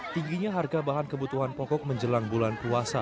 tingginya harga bahan kebutuhan pokok menjelang bulan puasa